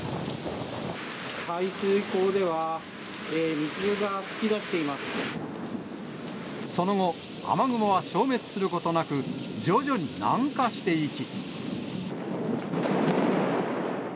排水溝では、水が噴き出してその後、雨雲は消滅することなく徐々に南下していき。